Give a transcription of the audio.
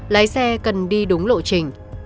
lái xe cần đi đúng lộ trình